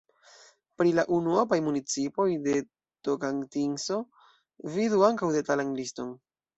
Pri la unuopaj municipoj de Tokantinso vidu ankaŭ detalan liston.